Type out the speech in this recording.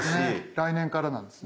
来年からなんですね。